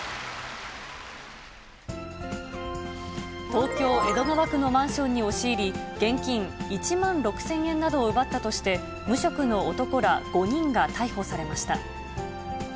東京・江戸川区のマンションに押し入り、現金１万６０００円などを奪ったとして、無職の男ら５人が逮捕されました。